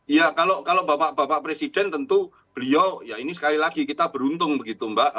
iya kalau bapak bapak presiden tentu beliau ya ini sekali lagi kita beruntung begitu mbak